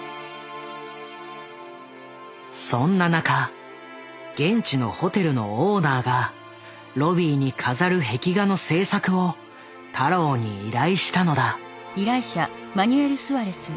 そんな中現地のホテルのオーナーがロビーに飾る壁画の制作を太郎に依頼したのだ。